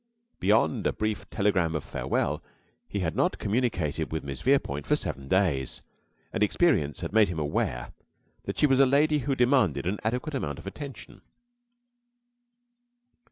Beyond a brief telegram of farewell, he had not communicated with Miss Verepoint for seven days, and experience had made him aware that she was a lady who demanded an adequate amount of attention.